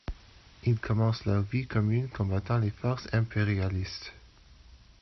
Ils commencent leur vie commune combattant les forces impérialistes.